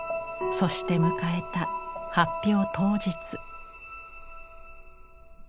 そして迎えた発表当日。